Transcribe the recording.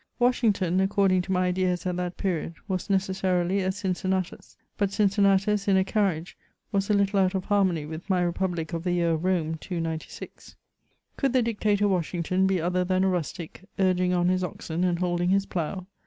Washington, according to my ideas at that period, was necessarily a Cincin natus ; but Cincinnatus in a carriage was a little out of harmony with my republic of the year of Rome, 296. Could the Dic tator Washington be other than a rustic, urging on his oxen, and holding his plough